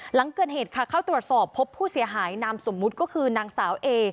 หลังเกิดเหตุค่ะเข้าตรวจสอบพบผู้เสียหายนามสมมุติก็คือนางสาวเอ